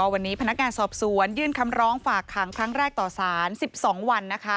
วันนี้พนักงานสอบสวนยื่นคำร้องฝากขังครั้งแรกต่อสาร๑๒วัน